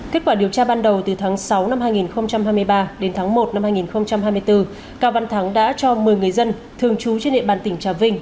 kết quả điều tra ban đầu từ tháng sáu năm hai nghìn hai mươi ba đến tháng một năm hai nghìn hai mươi bốn cao văn thắng đã cho một mươi người dân thường trú trên địa bàn tỉnh trà vinh